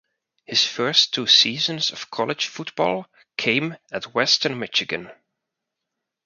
His first two seasons of college football came at Western Michigan.